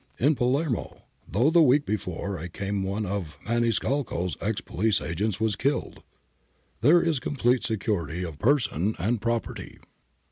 In Palermo, though the week before I came one of Maniscalco's ex police agents was killed, there is complete security of person and property.